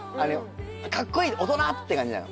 「かっこいい大人！」って感じなの？